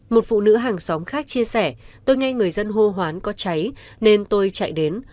một phụ nữ hàng xóm khác chia sẻ tôi nghe người dân hô hoán có cháy nên tôi chạy đến